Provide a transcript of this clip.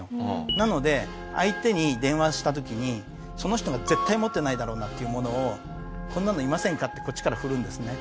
なので相手に電話した時にその人が絶対持ってないだろうなっていうものを「こんなのいませんか？」ってこっちから振るんですね。